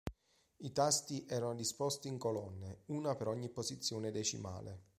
I tasti erano disposti in colonne, una per ogni posizione decimale.